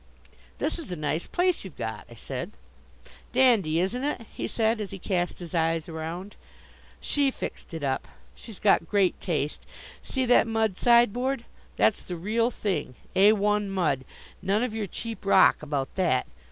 "This is a nice place you've got," I said. "Dandy, isn't it?" he said, as he cast his eyes around. "She fixed it up. She's got great taste. See that mud sideboard? That's the real thing, A one mud! None of your cheap rock about that.